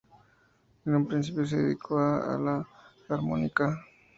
En un principio se dedicó a la armónica.